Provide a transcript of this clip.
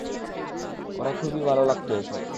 ওর খুবই ভাল লাগতো এসব।